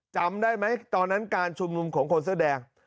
จำได้ไหมตอนนั้นการชุมนุมของคนเสื้อแดง